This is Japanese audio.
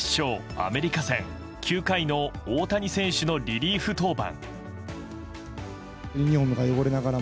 アメリカ戦、９回の大谷選手のリリーフ登板。